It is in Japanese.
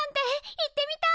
行ってみたい！